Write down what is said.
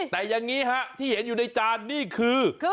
แต่อย่างนี้ฮะที่เห็นอยู่ในจานนี่คือ